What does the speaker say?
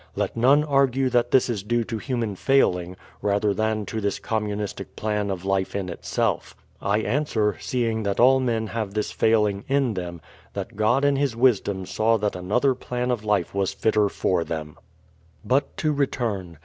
Let none argue that this is due to human failing, rather than to this communistic plan of life in itself. I answer, seeing that all men have this failing in them, that God in His wisdom saw that another plan of life was fitter for them. But to return.